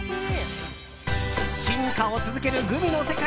進化を続けるグミの世界。